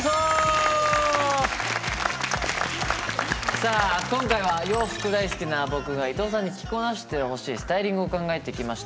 さあ今回は洋服大好きな僕が伊藤さんに着こなしてほしいスタイリングを考えてきました。